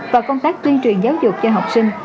và công tác tuyên truyền giáo dục cho học sinh